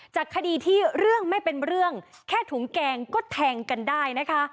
จากคดีที่เรื่องไม่เป็นเรื่องแค่ถุงแกงก็แทงกันได้นะคะ